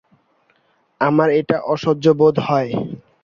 আমার এটা অসহ্য বোধ হয়।